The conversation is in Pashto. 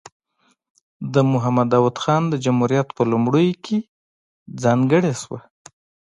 د محمد داود خان د جمهوریت په لومړیو کې ځانګړې شوه.